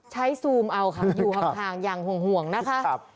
ซูมเอาค่ะอยู่ห่างอย่างห่วงนะคะ